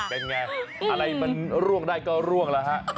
เป็นไงอะไรมันร่วงได้ก็ร่วงแล้วฮะ